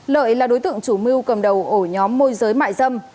lợi là đối tượng chủ mưu cầm đầu ổ nhóm môi giới mại dâm